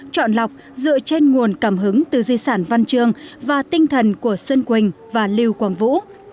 chọn lọc dựa trên nguồn cảm hứng từ di sản văn chương và tinh thần của xuân quỳnh và lưu quang vũ